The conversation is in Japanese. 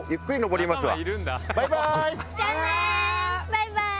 バイバイ！